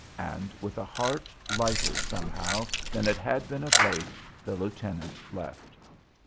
And, with a heart lighter, somehow, than it had been of late, the lieutenant left.